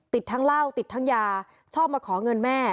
ติดทั้งเหล้าติดทั้งยาชอบมาขอเงินแม่